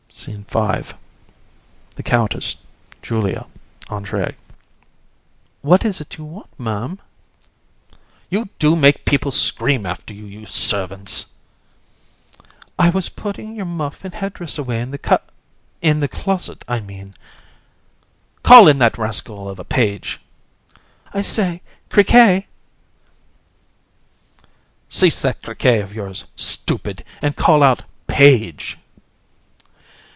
SCENE V. THE COUNTESS, JULIA, ANDRÉE. AND. What is it you want, Ma'am? COUN. You do make people scream after you, you servants! AND. I was putting your muff and head dress away in the cup ... in the closet, I mean. COUN. Call in that rascal of a page. AND. I say, Criquet! COUN. Cease that "Criquet" of yours, stupid, and call out "Page."